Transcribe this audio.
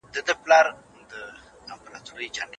تیاره به ډېر ژر د لمر رڼا ته ځای پرېږدي.